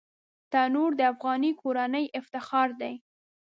تنور د افغاني کورنۍ افتخار دی